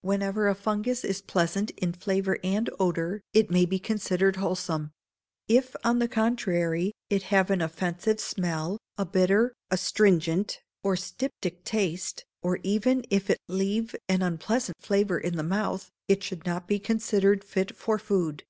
Whenever a fungus is pleasant, in flavour and odour, it may be considered wholesome; if, on the contrary, it have an offensive smell, a bitter, astringent, or styptic taste, or even if it leave an unpleasant flavour in the mouth, it should not be considered fit for food.